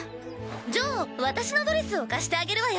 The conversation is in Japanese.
じゃあ私のドレスを貸してあげるわよ。